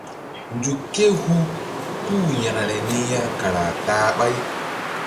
Nzuk ké hu kú-u yȩkre niya kara ta-a ɓáy.